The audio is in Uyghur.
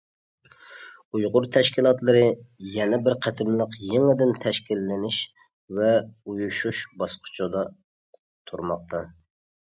ئۇيغۇر تەشكىلاتلىرى يەنە بىر قېتىملىق يېڭىدىن تەشكىللىنىش ۋە ئۇيۇشۇش باسقۇچىدا تۇرماقتا .